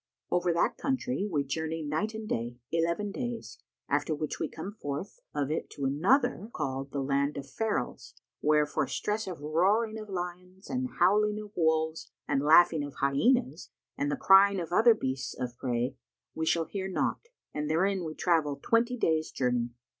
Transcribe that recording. Over that country we journey night and day, eleven days, after which we come forth of it to another called the Land of Ferals where, for stress of roaring of lions and howling of wolves and laughing of hyćnas and the crying of other beasts of prey we shall hear naught, and therein we travel twenty days' journey.